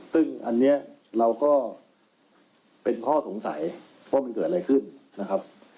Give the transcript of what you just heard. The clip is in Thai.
ซึ่งอันนี้เราก็เป็นข้อสงสัยว่ามันเกิดอะไรขึ้นนะครับ